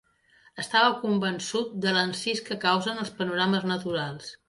Estava convençut de l'encís que causen els panorames naturals